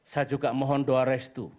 saya juga mohon doa restu